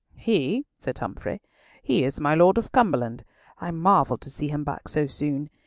"He?" said Humfrey. "He is my Lord of Cumberland. I marvelled to see him back so soon.